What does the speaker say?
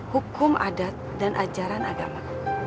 hukum adat dan ajaran agama